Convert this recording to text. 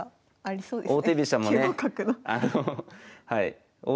そうですね。